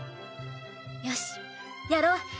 よしやろう。